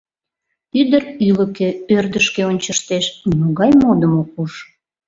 Ӱдыр ӱлыкӧ, ӧрдыжкӧ ончыштеш — нимогай модым ок уж.